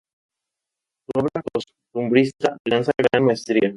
Su obra costumbrista alcanza gran maestría.